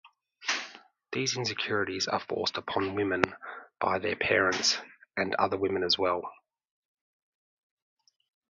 These insecurities are forced upon women by their partners and other women as well.